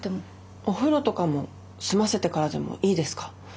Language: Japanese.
お風呂とかも済ませてからでもいいですか？